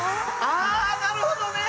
ああなるほどね！